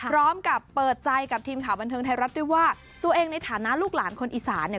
พร้อมกับเปิดใจกับทีมข่าวบันเทิงไทยรัฐด้วยว่าตัวเองในฐานะลูกหลานคนอีสานเนี่ย